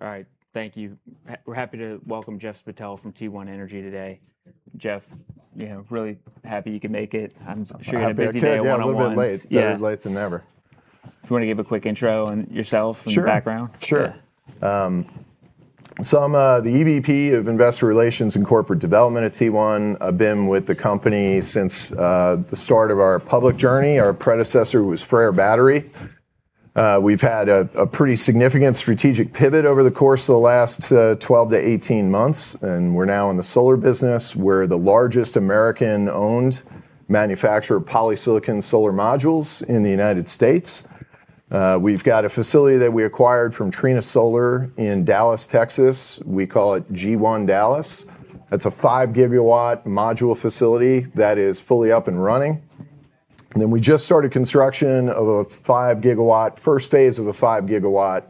All right, thank you. We're happy to welcome Jeff Spittel from T1 Energy today. Jeff, you know, really happy you could make it. I'm sure you had a busy day. A little bit late. Better late than never. Do you want to give a quick intro on yourself and your background? Sure. So I'm the EVP of Investor Relations and Corporate Development at T1. I've been with the company since the start of our public journey. Our predecessor was FREYR Battery. We've had a pretty significant strategic pivot over the course of the last 12 to 18 months, and we're now in the solar business. We're the largest American-owned manufacturer of polysilicon solar modules in the United States. We've got a facility that we acquired from Trina Solar in Dallas, Texas. We call it G1 Dallas. That's a five-gigawatt module facility that is fully up and running, and then we just started construction of a five-gigawatt, first phase of a five-gigawatt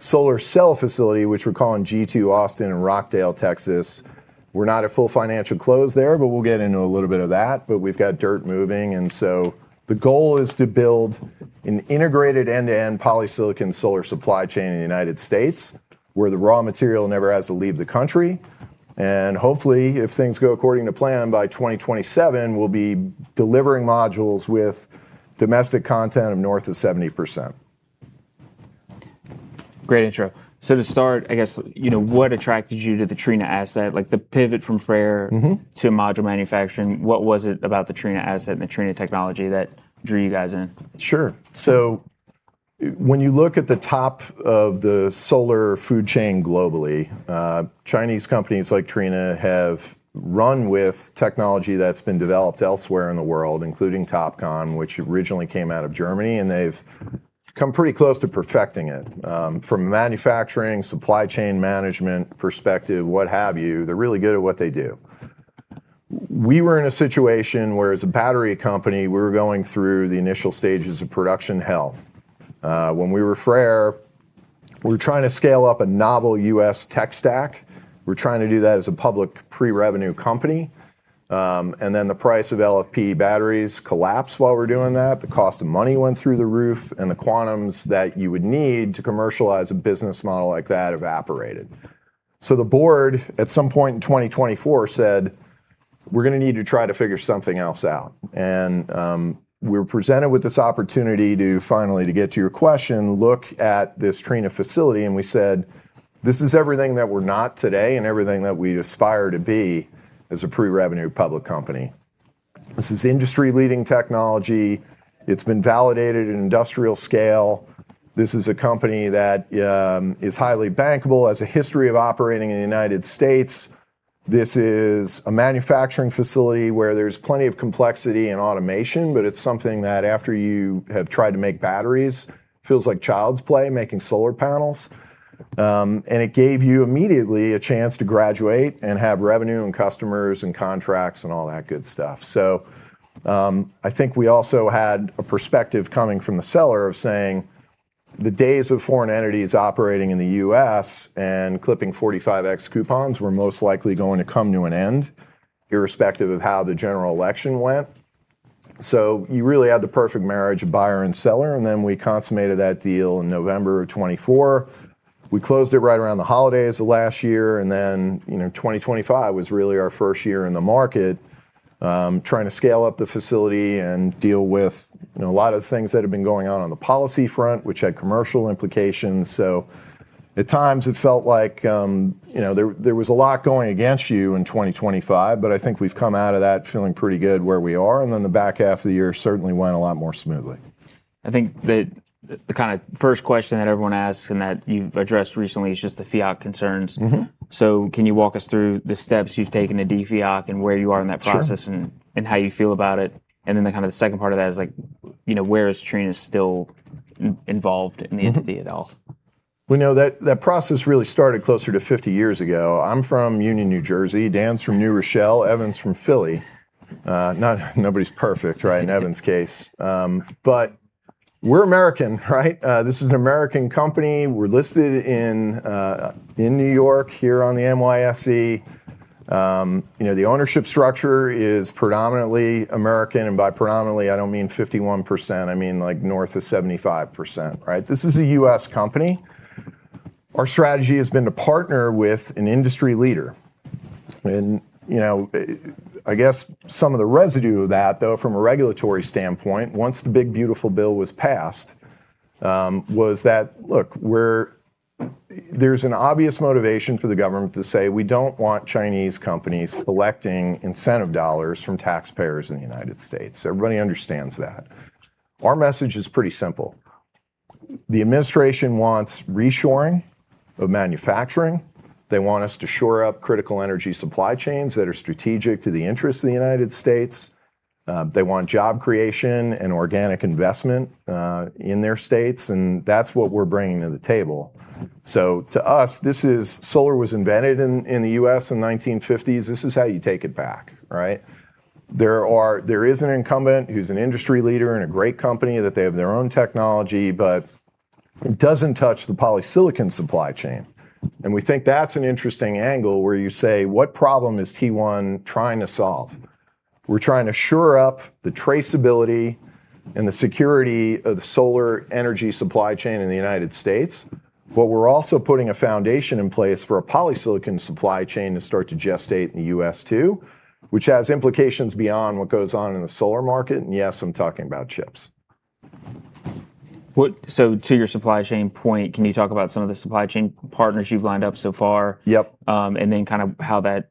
solar cell facility, which we're calling G2 Austin in Rockdale, Texas. We're not at full financial close there, but we'll get into a little bit of that, but we've got dirt moving. And so the goal is to build an integrated end-to-end polysilicon solar supply chain in the United States where the raw material never has to leave the country. And hopefully, if things go according to plan by 2027, we'll be delivering modules with domestic content of north of 70%. Great intro. So to start, I guess, you know, what attracted you to the Trina asset, like the pivot from Freyr to module manufacturing? What was it about the Trina asset and the Trina technology that drew you guys in? Sure. So when you look at the top of the solar food chain globally, Chinese companies like Trina have run with technology that's been developed elsewhere in the world, including TOPCon, which originally came out of Germany, and they've come pretty close to perfecting it. From a manufacturing, supply chain management perspective, what have you, they're really good at what they do. We were in a situation where, as a battery company, we were going through the initial stages of production hell. When we were FREYR, we were trying to scale up a novel U.S. tech stack. We're trying to do that as a public pre-revenue company. And then the price of LFP batteries collapsed while we were doing that. The cost of money went through the roof, and the quantums that you would need to commercialize a business model like that evaporated. So the board, at some point in 2024, said, "We're going to need to try to figure something else out." And we were presented with this opportunity to finally get to your question, look at this Trina facility, and we said, "This is everything that we're not today and everything that we aspire to be as a pre-revenue public company. This is industry-leading technology. It's been validated at industrial scale. This is a company that is highly bankable. It has a history of operating in the United States. This is a manufacturing facility where there's plenty of complexity and automation, but it's something that, after you have tried to make batteries, feels like child's play making solar panels." And it gave you immediately a chance to graduate and have revenue and customers and contracts and all that good stuff. So I think we also had a perspective coming from the seller of saying, "The days of foreign entities operating in the U.S. and clipping 45X coupons were most likely going to come to an end, irrespective of how the general election went." So you really had the perfect marriage of buyer and seller. And then we consummated that deal in November of 2024. We closed it right around the holidays of last year. And then, you know, 2025 was really our first year in the market trying to scale up the facility and deal with, you know, a lot of the things that had been going on on the policy front, which had commercial implications. So at times it felt like, you know, there was a lot going against you in 2025, but I think we've come out of that feeling pretty good where we are. And then the back half of the year certainly went a lot more smoothly. I think that the kind of first question that everyone asks and that you've addressed recently is just the FEOC concerns. So can you walk us through the steps you've taken to de-FEOC and where you are in that process and how you feel about it? And then the kind of the second part of that is like, you know, where is Trina still involved in the entity at all? You know, that process really started closer to 50 years ago. I'm from Union, New Jersey. Dan's from New Rochelle. Evan's from Philly. Nobody's perfect, right, in Evan's case. But we're American, right? This is an American company. We're listed in New York here on the NYSE. You know, the ownership structure is predominantly American. And by predominantly, I don't mean 51%. I mean like north of 75%, right? This is a U.S. company. Our strategy has been to partner with an industry leader. And, you know, I guess some of the residue of that, though, from a regulatory standpoint, once the big beautiful bill was passed, was that, look, there's an obvious motivation for the government to say, "We don't want Chinese companies collecting incentive dollars from taxpayers in the United States." Everybody understands that. Our message is pretty simple. The administration wants reshoring of manufacturing. They want us to shore up critical energy supply chains that are strategic to the interests of the United States. They want job creation and organic investment in their states, and that's what we're bringing to the table, so to us, this is solar was invented in the U.S. in the 1950s. This is how you take it back, right? There is an incumbent who's an industry leader in a great company that they have their own technology, but it doesn't touch the polysilicon supply chain, and we think that's an interesting angle where you say, "What problem is T1 trying to solve?" We're trying to shore up the traceability and the security of the solar energy supply chain in the United States, but we're also putting a foundation in place for a polysilicon supply chain to start to gestate in the U.S. too, which has implications beyond what goes on in the solar market, and yes, I'm talking about chips. So to your supply chain point, can you talk about some of the supply chain partners you've lined up so far? Yep. And then kind of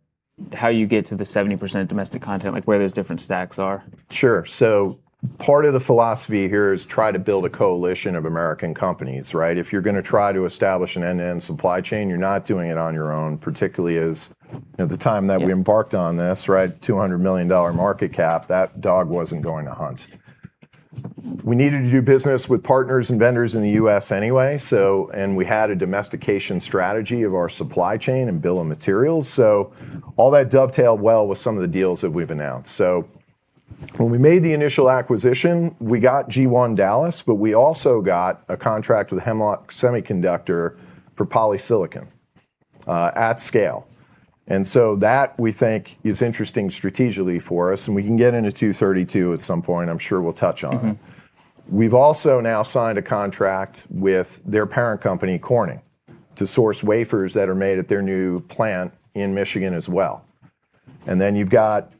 how you get to the 70% domestic content, like where those different stacks are? Sure. So part of the philosophy here is try to build a coalition of American companies, right? If you're going to try to establish an end-to-end supply chain, you're not doing it on your own, particularly as the time that we embarked on this, right? $200 million market cap, that dog wasn't going to hunt. We needed to do business with partners and vendors in the U.S. anyway. So, and we had a domestication strategy of our supply chain and bill of materials. So all that dovetailed well with some of the deals that we've announced. So when we made the initial acquisition, we got G1 Dallas, but we also got a contract with Hemlock Semiconductor for polysilicon at scale. And so that we think is interesting strategically for us. And we can get into 232 at some point. I'm sure we'll touch on it. We've also now signed a contract with their parent company, Corning, to source wafers that are made at their new plant in Michigan as well. And then you've got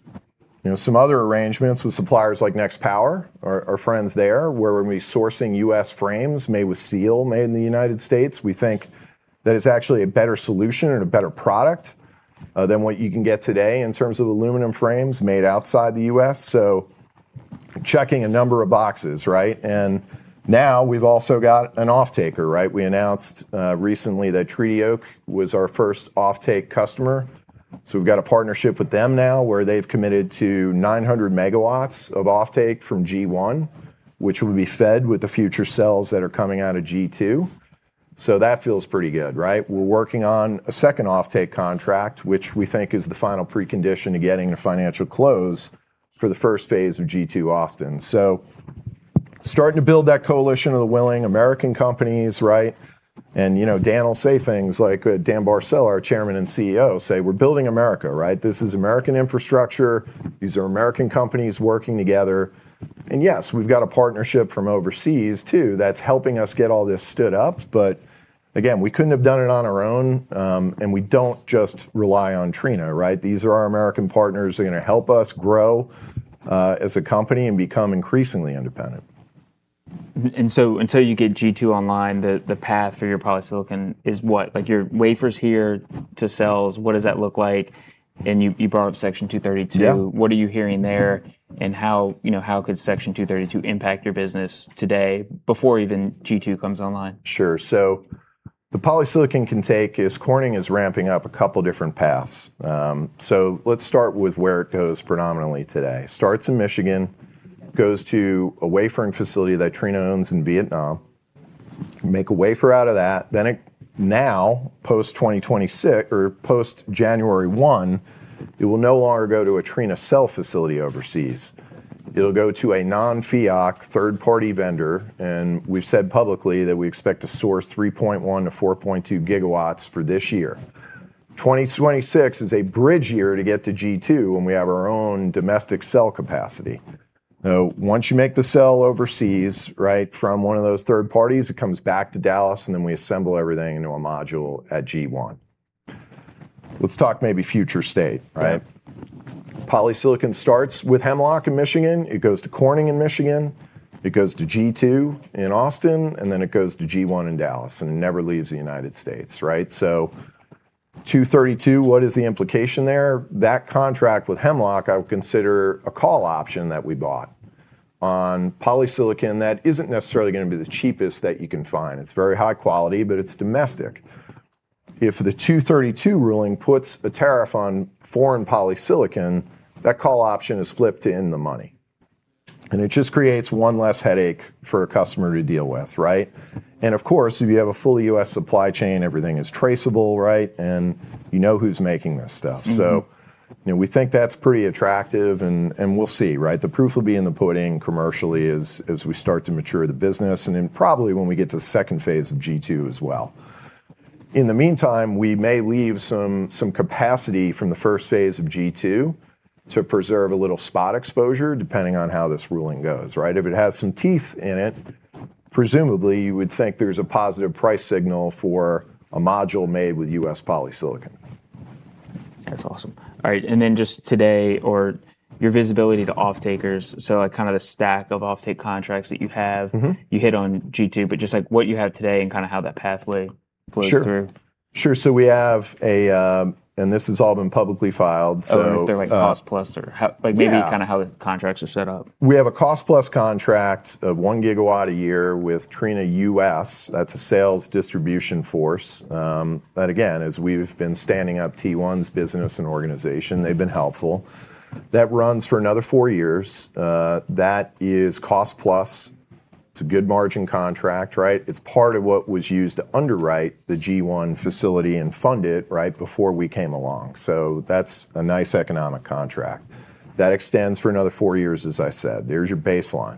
some other arrangements with suppliers like NextPower, our friends there, where we're going to be sourcing U.S. frames made with steel made in the United States. We think that it's actually a better solution and a better product than what you can get today in terms of aluminum frames made outside the U.S. So checking a number of boxes, right? And now we've also got an offtaker, right? We announced recently that Treaty Oak was our first offtake customer. So we've got a partnership with them now where they've committed to 900 megawatts of offtake from G1, which will be fed with the future cells that are coming out of G2. So that feels pretty good, right? We're working on a second offtake contract, which we think is the final precondition to getting a financial close for the first phase of G2 Austin, so starting to build that coalition of the willing American companies, right? And, you know, Dan will say things like Dan Barcelo, our Chairman and CEO, "We're building America, right? This is American infrastructure. These are American companies working together," and yes, we've got a partnership from overseas too that's helping us get all this stood up, but again, we couldn't have done it on our own, and we don't just rely on Trina, right? These are our American partners. They're going to help us grow as a company and become increasingly independent. And so until you get G2 online, the path for your polysilicon is what? Like your wafers here to cells, what does that look like? And you brought up Section 232. What are you hearing there? And how, you know, how could Section 232 impact your business today before even G2 comes online? Sure. So the polysilicon supply chain. Corning is ramping up a couple of different paths. So let's start with where it goes predominantly today. Starts in Michigan, goes to a wafering facility that Trina owns in Vietnam, make a wafer out of that. Then now, post-2026 or post January 1, it will no longer go to a Trina cell facility overseas. It'll go to a non-FEOC third-party vendor. And we've said publicly that we expect to source 3.1-4.2 gigawatts for this year. 2026 is a bridge year to get to G2 when we have our own domestic cell capacity. So once you make the cell overseas, right, from one of those third parties, it comes back to Dallas, and then we assemble everything into a module at G1. Let's talk maybe future state, right? Polysilicon starts with Hemlock in Michigan. It goes to Corning in Michigan. It goes to G2 in Austin, and then it goes to G1 in Dallas, and it never leaves the United States, right? So 232, what is the implication there? That contract with Hemlock, I would consider a call option that we bought on polysilicon that isn't necessarily going to be the cheapest that you can find. It's very high quality, but it's domestic. If the 232 ruling puts a tariff on foreign polysilicon, that call option is flipped to in the money. And it just creates one less headache for a customer to deal with, right? And of course, if you have a full U.S. supply chain, everything is traceable, right? And you know who's making this stuff. So, you know, we think that's pretty attractive. And we'll see, right? The proof will be in the pudding commercially as we start to mature the business and then probably when we get to the second phase of G2 as well. In the meantime, we may leave some capacity from the first phase of G2 to preserve a little spot exposure depending on how this ruling goes, right? If it has some teeth in it, presumably you would think there's a positive price signal for a module made with U.S. polysilicon. That's awesome. All right. And then just today or your visibility to offtakers, so like kind of the stack of offtake contracts that you have, you hit on G2, but just like what you have today and kind of how that pathway flows through? Sure. Sure. So we have a, and this has all been publicly filed. I don't know if they're like cost plus or like maybe kind of how the contracts are set up. We have a cost plus contract of one gigawatt a year with Trina Solar US. That's a sales distribution force. And again, as we've been standing up T1's business and organization, they've been helpful. That runs for another four years. That is cost plus. It's a good margin contract, right? It's part of what was used to underwrite the G1 facility and fund it, right, before we came along. So that's a nice economic contract that extends for another four years, as I said. There's your baseline.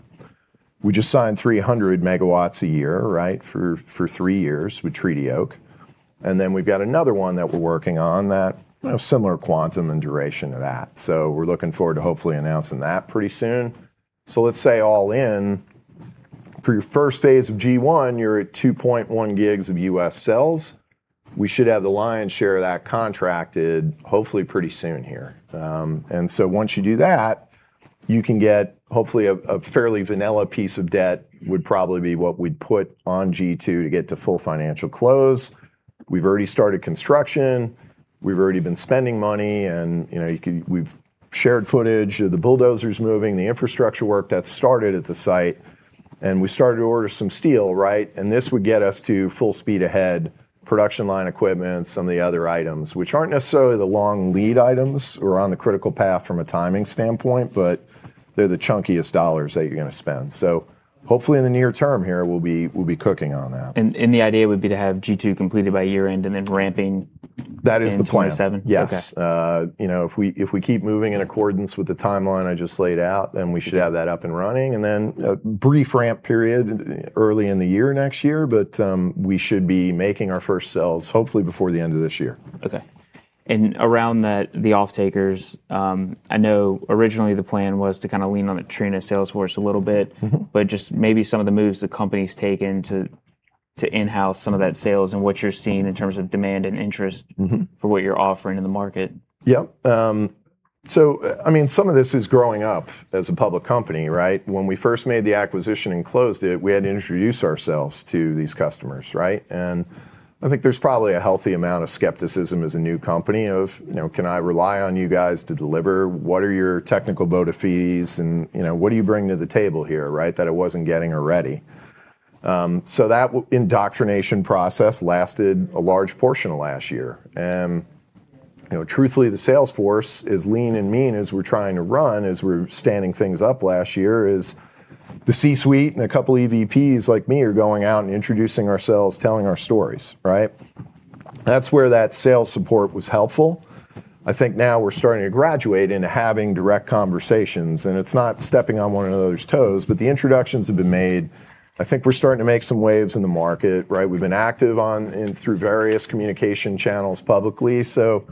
We just signed 300 megawatts a year, right, for three years with Treaty Oak Clean Energy. And then we've got another one that we're working on that, you know, similar quantum and duration to that. So we're looking forward to hopefully announcing that pretty soon. So let's say all in for your first phase of G1, you're at 2.1 gigs of U.S. cells. We should have the lion's share of that contracted hopefully pretty soon here. And so once you do that, you can get hopefully a fairly vanilla piece of debt would probably be what we'd put on G2 to get to full financial close. We've already started construction. We've already been spending money. And, you know, we've shared footage of the bulldozers moving, the infrastructure work that started at the site. And we started to order some steel, right? And this would get us to full speed ahead, production line equipment, some of the other items, which aren't necessarily the long lead items. We're on the critical path from a timing standpoint, but they're the chunkiest dollars that you're going to spend. So hopefully in the near term here, we'll be cooking on that. The idea would be to have G2 completed by year-end and then ramping. That is the plan. 27? Yes. You know, if we keep moving in accordance with the timeline I just laid out, then we should have that up and running and then a brief ramp period early in the year next year. But we should be making our first cells hopefully before the end of this year. Okay, and around the offtakers, I know originally the plan was to kind of lean on the Trina sales force a little bit, but just maybe some of the moves the company's taken to in-house some of that sales and what you're seeing in terms of demand and interest for what you're offering in the market. Yep. So I mean, some of this is growing up as a public company, right? When we first made the acquisition and closed it, we had to introduce ourselves to these customers, right? And I think there's probably a healthy amount of skepticism as a new company of, you know, can I rely on you guys to deliver? What are your technical bona fides? And, you know, what do you bring to the table here, right, that it wasn't getting already? So that indoctrination process lasted a large portion of last year. And, you know, truthfully, the sales force is lean and mean as we're trying to run as we're standing things up last year is the C-suite and a couple of EVPs like me are going out and introducing ourselves, telling our stories, right? That's where that sales support was helpful. I think now we're starting to graduate into having direct conversations. And it's not stepping on one another's toes, but the introductions have been made. I think we're starting to make some waves in the market, right? We've been active through various communication channels publicly. So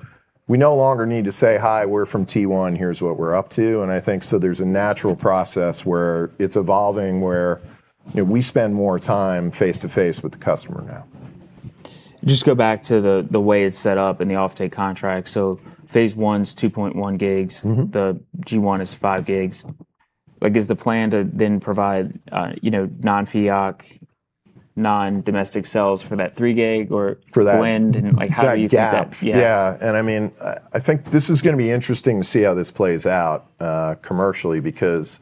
we no longer need to say, "Hi, we're from T1. Here's what we're up to." And I think so there's a natural process where it's evolving where, you know, we spend more time face to face with the customer now. Just go back to the way it's set up and the offtake contract. So phase one's 2.1 gigs. The G1 is five gigs. Like is the plan to then provide, you know, non-FIOC, non-domestic cells for that three gig or blend? And like how do you get that? Yeah. Yeah. And I mean, I think this is going to be interesting to see how this plays out commercially because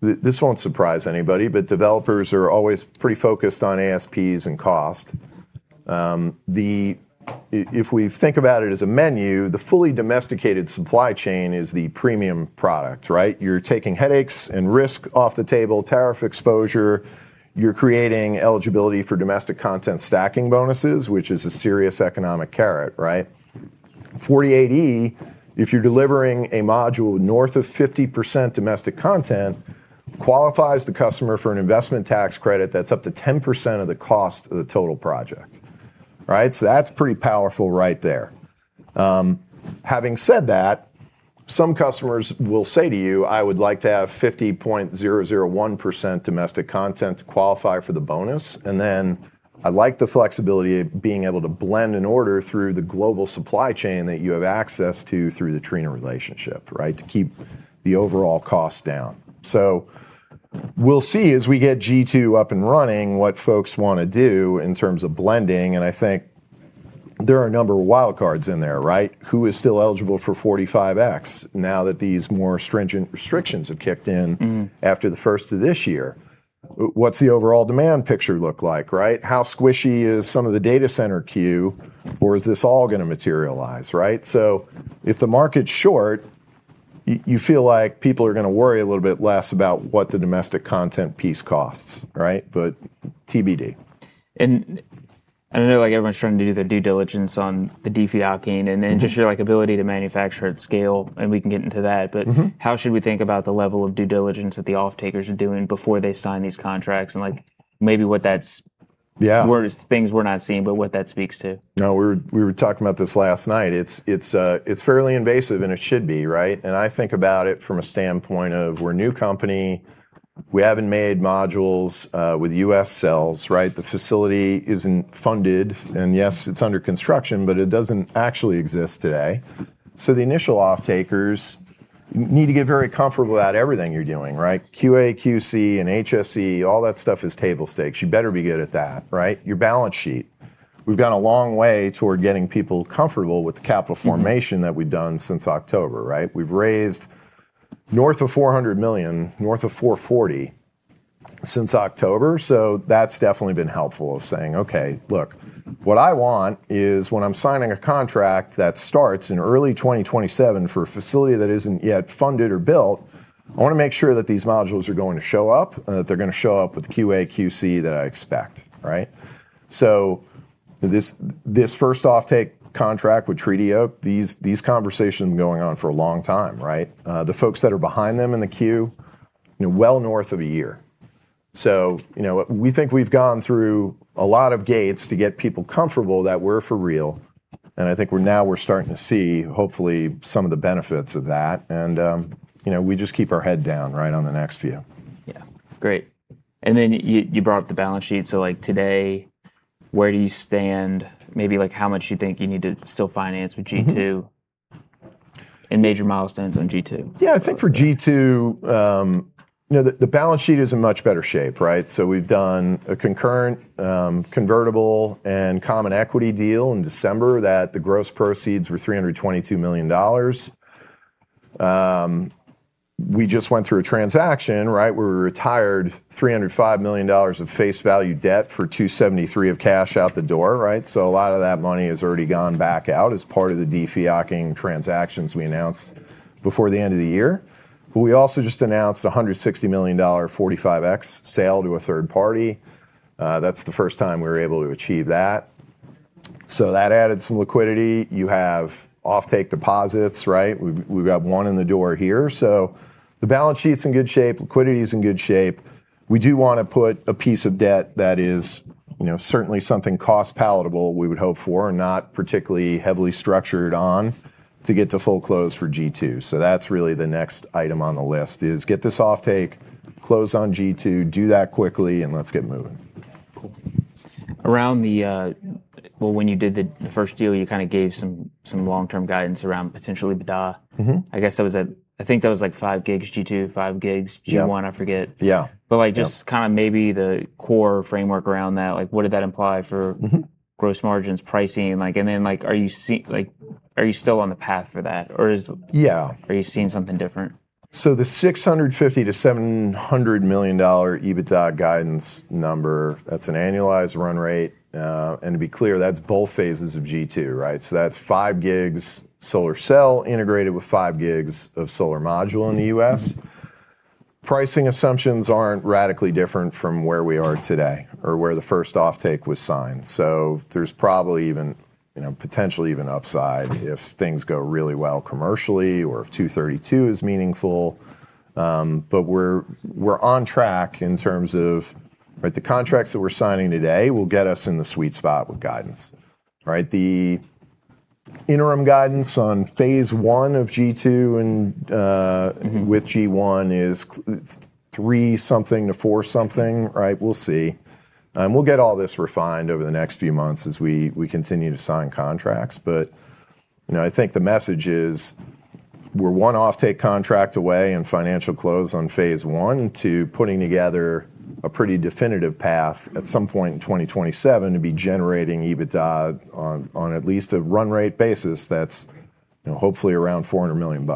this won't surprise anybody, but developers are always pretty focused on ASPs and cost. If we think about it as a menu, the fully domesticated supply chain is the premium product, right? You're taking headaches and risk off the table, tariff exposure. You're creating eligibility for domestic content stacking bonuses, which is a serious economic carrot, right? 48E, if you're delivering a module north of 50% domestic content, qualifies the customer for an investment tax credit that's up to 10% of the cost of the total project, right? So that's pretty powerful right there. Having said that, some customers will say to you, "I would like to have 50.001% domestic content to qualify for the bonus." And then I like the flexibility of being able to blend and order through the global supply chain that you have access to through the Trina relationship, right, to keep the overall cost down. So we'll see as we get G2 up and running what folks want to do in terms of blending. And I think there are a number of wild cards in there, right? Who is still eligible for 45X now that these more stringent restrictions have kicked in after the first of this year? What's the overall demand picture look like, right? How squishy is some of the data center queue? Or is this all going to materialize, right? So if the market's short, you feel like people are going to worry a little bit less about what the domestic content piece costs, right? But TBD. I know like everyone's trying to do their due diligence on the de-FIOKing and then just your like ability to manufacture at scale. We can get into that. But how should we think about the level of due diligence that the off-takers are doing before they sign these contracts? Like maybe that's where things we're not seeing, but what that speaks to. No, we were talking about this last night. It's fairly invasive and it should be, right? And I think about it from a standpoint of we're a new company. We haven't made modules with U.S. cells, right? The facility isn't funded. And yes, it's under construction, but it doesn't actually exist today. So the initial offtakers need to get very comfortable about everything you're doing, right? QA, QC, and HSE, all that stuff is table stakes. You better be good at that, right? Your balance sheet. We've gone a long way toward getting people comfortable with the capital formation that we've done since October, right? We've raised north of $400 million, north of $440 million since October. So that's definitely been helpful of saying, "Okay, look, what I want is when I'm signing a contract that starts in early 2027 for a facility that isn't yet funded or built, I want to make sure that these modules are going to show up and that they're going to show up with QA, QC that I expect," right? So this first offtake contract with Treaty Oak, these conversations have been going on for a long time, right? The folks that are behind them in the queue, you know, well north of a year. So, you know, we think we've gone through a lot of gates to get people comfortable that we're for real. And, you know, we just keep our head down, right, on the next few. Yeah. Great. And then you brought up the balance sheet. So like today, where do you stand? Maybe like how much you think you need to still finance with G2 and major milestones on G2? Yeah, I think for G2, you know, the balance sheet is in much better shape, right? So we've done a concurrent convertible and common equity deal in December that the gross proceeds were $322 million. We just went through a transaction, right? We retired $305 million of face value debt for $273 of cash out the door, right? So a lot of that money has already gone back out as part of the De-FEOCing transactions we announced before the end of the year. But we also just announced a $160 million 45X sale to a third party. That's the first time we were able to achieve that. So that added some liquidity. You have offtake deposits, right? We've got one in the door here. So the balance sheet's in good shape. Liquidity's in good shape. We do want to put a piece of debt that is, you know, certainly something cost palatable we would hope for and not particularly heavily structured on to get to full close for G2, so that's really the next item on the list is get this offtake, close on G2, do that quickly, and let's get moving. Cool. Around the, well, when you did the first deal, you kind of gave some long-term guidance around potentially build a. I guess that was a, I think that was like five gigs G2, five gigs G1, I forget. Yeah. But like just kind of maybe the core framework around that, like what did that imply for gross margins, pricing? Like, and then like, are you seeing, like are you still on the path for that? Or is, are you seeing something different? The $650-$700 million EBITDA guidance number, that's an annualized run rate. And to be clear, that's both phases of G2, right? That's five gigs solar cell integrated with five gigs of solar module in the U.S. Pricing assumptions aren't radically different from where we are today or where the first offtake was signed. There's probably even, you know, potentially even upside if things go really well commercially or if 232 is meaningful. But we're on track in terms of, right, the contracts that we're signing today will get us in the sweet spot with guidance, right? The interim guidance on phase one of G2 and with G1 is three something to four something, right? We'll see. And we'll get all this refined over the next few months as we continue to sign contracts. But, you know, I think the message is we're one offtake contract away and financial close on phase one to putting together a pretty definitive path at some point in 2027 to be generating EBITDA on at least a run rate basis that's, you know, hopefully around $400 million.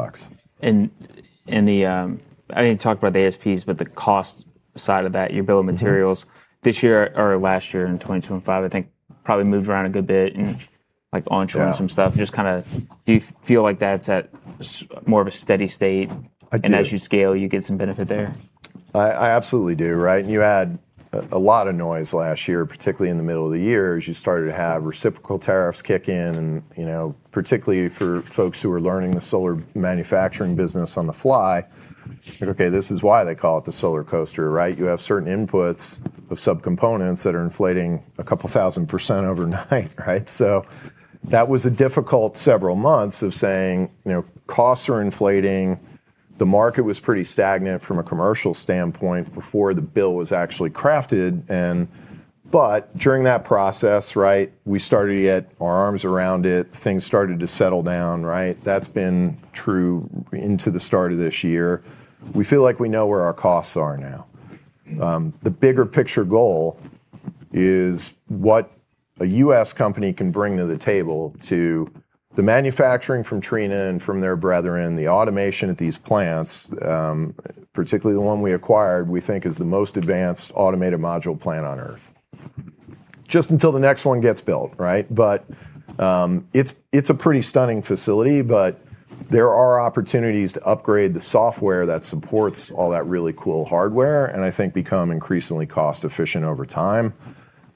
I didn't talk about the ASPs, but the cost side of that, your bill of materials this year or last year in 2025. I think probably moved around a good bit and like onshoring some stuff. Just kind of do you feel like that's at more of a steady state? And as you scale, you get some benefit there? I absolutely do, right? And you had a lot of noise last year, particularly in the middle of the year as you started to have reciprocal tariffs kick in and, you know, particularly for folks who are learning the solar manufacturing business on the fly. Okay, this is why they call it the solar coaster, right? You have certain inputs of subcomponents that are inflating a couple thousand percent overnight, right? So that was a difficult several months of saying, you know, costs are inflating. The market was pretty stagnant from a commercial standpoint before the bill was actually crafted. But during that process, right, we started to get our arms around it. Things started to settle down, right? That's been true into the start of this year. We feel like we know where our costs are now. The bigger picture goal is what a U.S. company can bring to the table to the manufacturing from Trina and from their brethren, the automation at these plants, particularly the one we acquired, we think is the most advanced automated module plant on earth. Just until the next one gets built, right? But it's a pretty stunning facility, but there are opportunities to upgrade the software that supports all that really cool hardware and I think become increasingly cost efficient over time.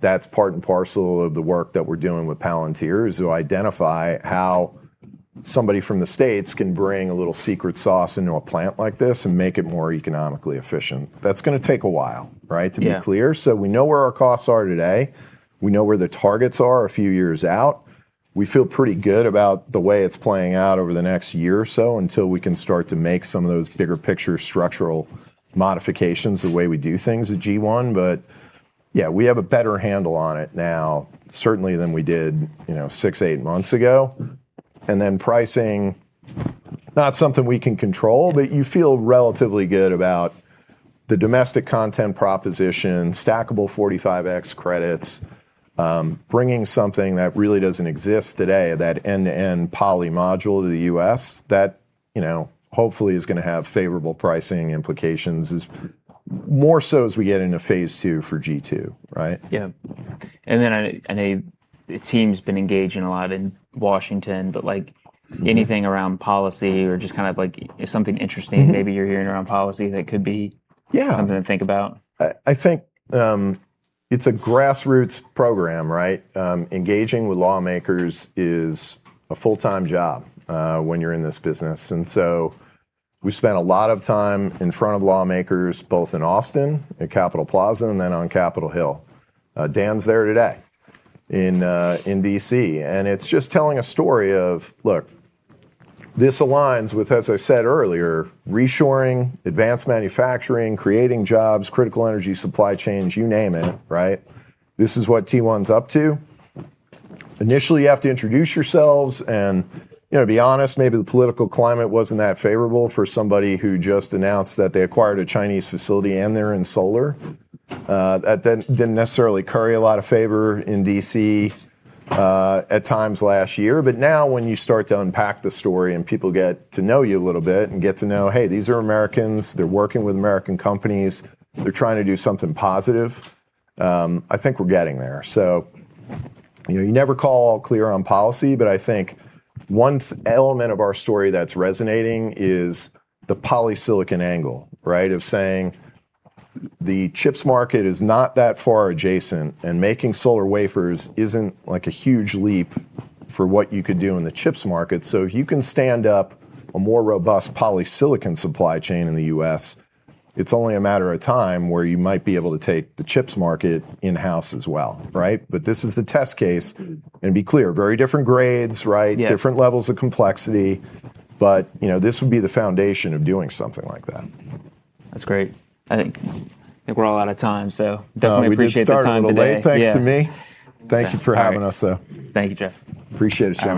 That's part and parcel of the work that we're doing with Palantir is to identify how somebody from the States can bring a little secret sauce into a plant like this and make it more economically efficient. That's going to take a while, right? To be clear. So we know where our costs are today. We know where the targets are a few years out. We feel pretty good about the way it's playing out over the next year or so until we can start to make some of those bigger picture structural modifications the way we do things at G1. But yeah, we have a better handle on it now certainly than we did, you know, six, eight months ago. And then pricing, not something we can control, but you feel relatively good about the domestic content proposition, stackable 45X credits, bringing something that really doesn't exist today, that end-to-end poly module to the U.S. That, you know, hopefully is going to have favorable pricing implications is more so as we get into phase two for G2, right? Yeah. And then I know the team's been engaged in a lot in Washington, but like anything around policy or just kind of like something interesting maybe you're hearing around policy that could be something to think about? I think it's a grassroots program, right? Engaging with lawmakers is a full-time job when you're in this business, and so we spent a lot of time in front of lawmakers both in Austin at Capitol Plaza and then on Capitol Hill. Dan's there today in DC, and it's just telling a story of, look, this aligns with, as I said earlier, reshoring, advanced manufacturing, creating jobs, critical energy supply chains, you name it, right? This is what T1's up to. Initially, you have to introduce yourselves and, you know, be honest, maybe the political climate wasn't that favorable for somebody who just announced that they acquired a Chinese facility and they're in solar. That didn't necessarily carry a lot of favor in DC at times last year. But now when you start to unpack the story and people get to know you a little bit and get to know, hey, these are Americans, they're working with American companies, they're trying to do something positive, I think we're getting there. So, you know, you never call all clear on policy, but I think one element of our story that's resonating is the polysilicon angle, right? Of saying the chips market is not that far adjacent and making solar wafers isn't like a huge leap for what you could do in the chips market. So if you can stand up a more robust polysilicon supply chain in the U.S., it's only a matter of time where you might be able to take the chips market in-house as well, right? But this is the test case. And to be clear, very different grades, right? Different levels of complexity. But, you know, this would be the foundation of doing something like that. That's great. I think we're all out of time. So definitely appreciate the time today. Thanks to me. Thank you for having us though. Thank you, Jeff. Appreciate your time.